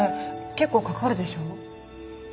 結構かかるでしょ？